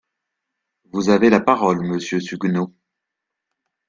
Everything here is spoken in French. Vous avez la parole, monsieur Suguenot.